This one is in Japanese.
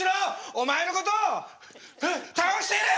お前のことたおしてやる！